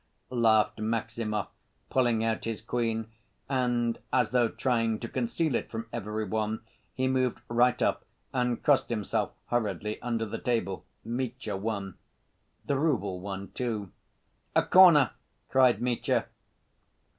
laughed Maximov, pulling out his queen, and, as though trying to conceal it from every one, he moved right up and crossed himself hurriedly under the table. Mitya won. The rouble won, too. "A corner!" cried Mitya.